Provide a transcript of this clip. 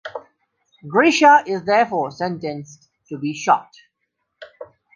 Grischa is therefore sentenced to be shot.